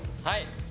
はい。